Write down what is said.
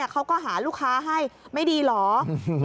เขาก็หาลูกค้าให้ไม่ดีเหรอ